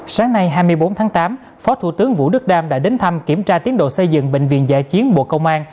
sáng nay hai mươi bốn tháng tám phó thủ tướng vũ đức đam đã đến thăm kiểm tra tiến độ xây dựng bệnh viện giả chiến bộ công an